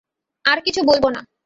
আর কিছু বলব না।